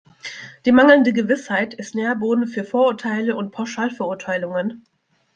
Die mangelnde Gewissheit ist Nährboden für Vorurteile und Pauschalverurteilungen.